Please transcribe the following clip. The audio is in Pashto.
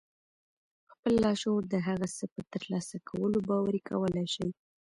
خپل لاشعور د هغه څه په ترلاسه کولو باوري کولای شئ.